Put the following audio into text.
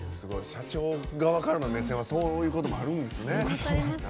社長側からの目線はそういうこともあるんですね。